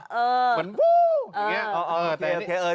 เหมือนวูบอย่างนี้